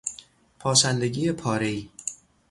پاشندگی پارهای